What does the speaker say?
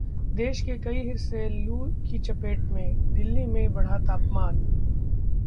देश के कई हिस्से लू की चपेट में, दिल्ली में बढ़ा तापमान